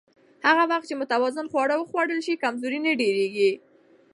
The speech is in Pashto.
هغه وخت چې متوازن خواړه وخوړل شي، کمزوري نه ډېریږي.